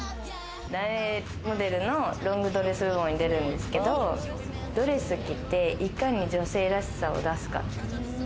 ランウェイモデルのロングドレス部門に出るんですけど、ドレス着て、いかに女性らしさを出すか。